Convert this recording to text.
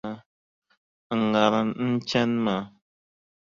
N ŋariŋ n chani maa!”.